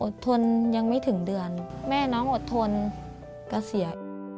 ทนยังไม่ถึงเดือนแม่น้องอดทนเกษียณ